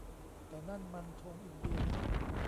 แต่นั่นมันธงอินเดียนะ